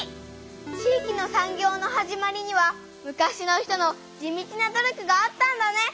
地域の産業の始まりには昔の人の地道な努力があったんだね！